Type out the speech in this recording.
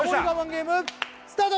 ゲームスタート！